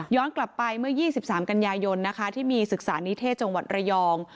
กลับไปเมื่อ๒๓กันยายนนะคะที่มีศึกษานิเทศจังหวัดระยอง